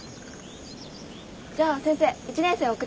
じゃあ先生１年生を送ってってね。